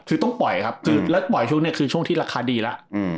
คือต้องปล่อยครับคือแล้วปล่อยช่วงนี้คือช่วงที่ราคาดีแล้ว